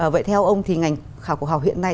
vậy theo ông thì ngành khảo cổ học hiện nay